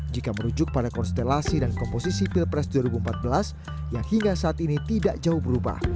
jika merujuk pada konstelasi dan komposisi pilpres dua ribu empat belas yang hingga saat ini tidak jauh berubah